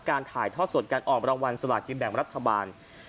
การถ่ายทอดส่วนการออกประวันสละกินแบ่งรัฐบาล